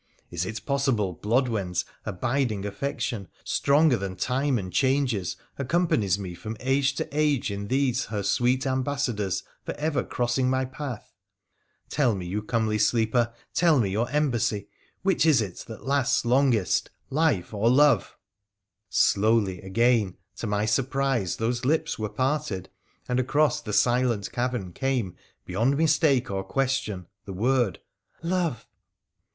Is it possible Blodwen's abiding affection — stronger than time and changes — accompanies me from age to age in these her sweet ambassadors for ever crossing my path ? Tell me, you comely sleeper, tell me your embassy, which is it that lasts longest, life or love ?' fS WONDERFUL ADVENTURES OP Slowly again, to my surprise, those lips were parted, and across the silent cavern came, beyond mistake or question, the word —' Love